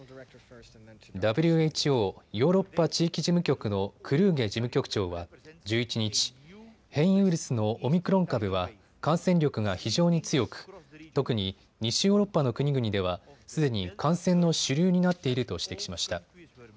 ＷＨＯヨーロッパ地域事務局のクルーゲ事務局長は１１日、変異ウイルスのオミクロン株は感染力が非常に強く特に西ヨーロッパの国々ではすでに感染の主流になっていると指摘しました。